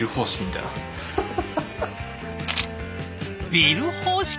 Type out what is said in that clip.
ビル方式？